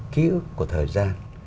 ký ức của thời gian